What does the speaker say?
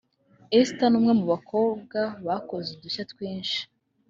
Esther ni umwe mu bakobwa bakoze udushya twinshi